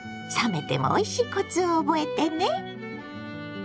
冷めてもおいしいコツを覚えてね。